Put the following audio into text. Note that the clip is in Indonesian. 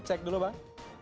cek dulu bang